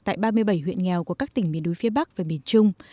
tại ba mươi bảy huyện nghèo của các tỉnh miền núi phía bắc và miền trung